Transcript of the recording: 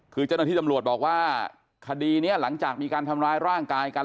คือเจ้าหน้าที่ตำรวจบอกว่าคดีนี้หลังจากมีการทำร้ายร่างกายกัน